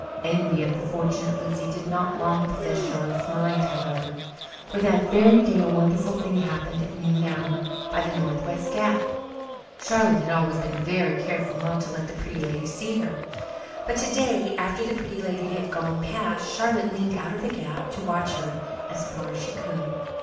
Envy of the fortunate Lizzie did not long possess Charlotte's mind, however, for that very day a wonderful thing happened at noon hour by the northwest gap. Charlotte had always been very careful not to let the Pretty Lady see her, but today, after the Pretty Lady had gone past, Charlotte leaned out of the gap to watch her as far as she could.